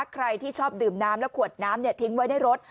ใครที่ชอบดื่มน้ำแล้วขวดน้ำทิ้งไว้ในรถ